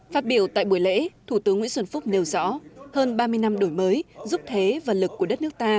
phát biểu tại buổi lễ thủ tướng nguyễn xuân phúc nêu rõ hơn ba mươi năm đổi mới giúp thế và lực của đất nước ta